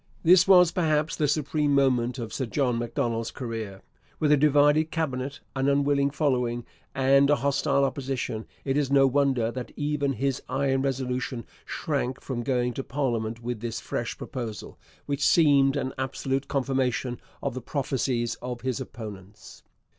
This was perhaps the supreme moment of Sir John Macdonald's career. With a divided Cabinet, an unwilling following, and a hostile Opposition, it is no wonder that even his iron resolution shrank from going to parliament with this fresh proposal, which seemed an absolute confirmation of the prophecies of his opponents.